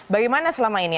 bagaimana selama ini